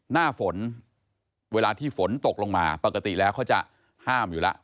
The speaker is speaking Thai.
หน้าฝนเวลาที่ฝนตกลงมาปกติแล้วเขาจะห้ามอยู่แล้ว